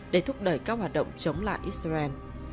để thúc đẩy các hoạt động chống lại israel